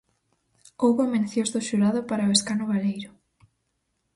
Houbo mencións do xurado para O escano baleiro.